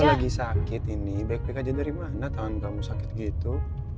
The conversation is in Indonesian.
saya lagi sakit ini baik baik aja dari mana tangan kamu sakit gitu